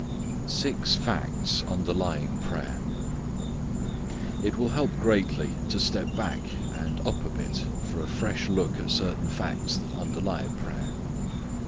Six Facts Underlying Prayer. It will help greatly to step back and up a bit for a fresh look at certain facts that underlie prayer.